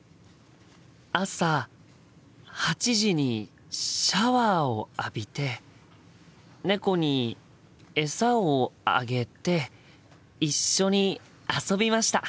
朝８時にシャワーを浴びて猫にえさをあげて一緒に遊びました。